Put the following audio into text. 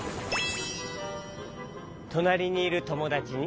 となりにいるともだちに。